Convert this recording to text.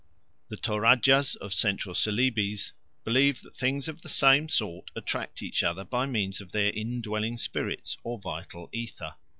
The Toradjas of Central Celebes believe that things of the same sort attract each other by means of their indwelling spirits or vital ether.